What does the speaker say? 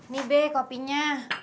nih be kopinya